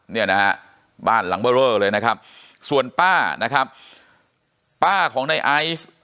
เนี่ยนะฮะบ้านหลังเบอร์เรอเลยนะครับส่วนป้านะครับป้าของในไอซ์